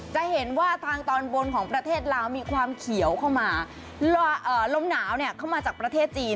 จะเห็นว่าทางตอนบนของประเทศลาวมีความเขียวเข้ามาลมหนาวเนี่ยเข้ามาจากประเทศจีน